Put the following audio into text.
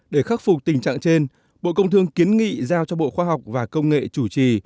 để khắc phục tình trạng trên bộ công thương kiến nghị giao cho bộ khoa học và công nghệ chủ trì